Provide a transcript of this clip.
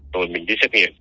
rồi mình đi xét nghiệm